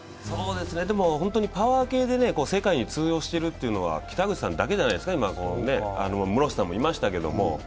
でもパワー系で世界に通用しているというのは北口さんだけじゃないですか、室伏さんもいましたけれども。